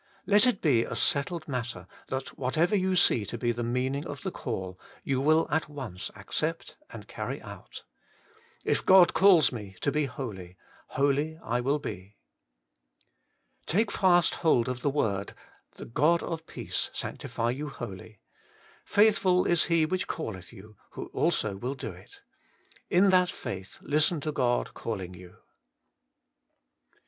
Let it be a settled matter, that what ever you see to be the meaning of the call, you mill at once accept and carry out. If God calls me to be holy, holy I will be. 3. Tahe fast hold of the word: 'The God of peace sanctify you wholly: faithful is He which calleth you, who also will do It. 1 In that faith listen to God calling you.